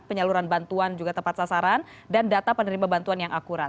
penyaluran bantuan juga tepat sasaran dan data penerima bantuan yang akurat